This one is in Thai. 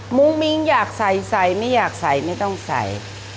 มุ้งมิ้งอยากใส่ใส่ไม่อยากใส่ไม่ต้องใส่